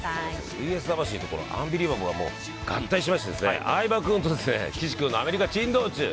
「ＶＳ魂」と「アンビリバボー」が合体しまして相葉君と岸君のアメリカ珍道中。